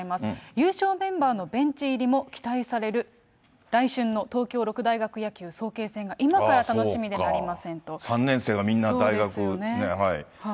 優勝メンバーのベンチ入りも期待される来春の東京六大学野球早慶３年生がみんな大学ね、はい。